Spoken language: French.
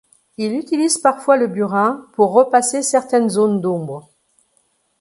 Il utilise parfois le burin pour repasser certaines zones d'ombre.